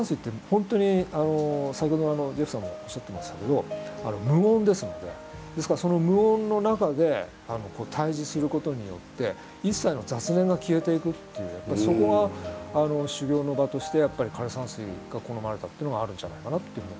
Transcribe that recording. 本当に先ほどジェフさんもおっしゃってましたけど無音ですのでですからその無音の中で対峙することによって一切の雑念が消えていくっていうやっぱりそこが修行の場としてやっぱり枯山水が好まれたっていうのがあるんじゃないかなってふうに。